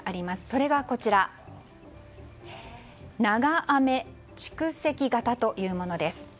それが長雨蓄積型というものです。